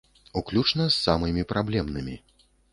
Уключна з самымі праблемнымі.